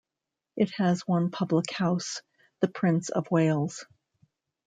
It has one public house, the Prince of Wales.